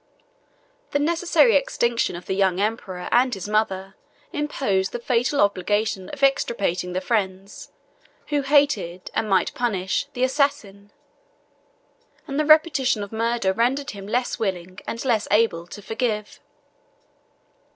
The necessary extinction of the young emperor and his mother imposed the fatal obligation of extirpating the friends, who hated, and might punish, the assassin; and the repetition of murder rendered him less willing, and less able, to forgive.